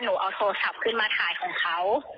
หนูเอาโทรศัพท์ขึ้นมาถ่ายของเขา